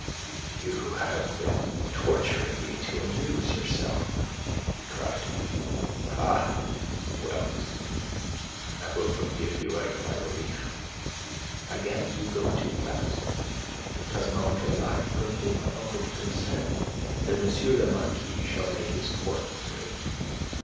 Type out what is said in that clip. "You have been torturing me to amuse yourself!" he cried. "Ah, well, I forgive you out of my relief." "Again you go too fast, Cousin Andre. I have permitted my uncle to consent that M. le Marquis shall make his court to me.